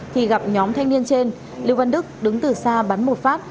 thì gặp nhóm thanh niên trên liêu văn đức đứng từ xa bắn một phát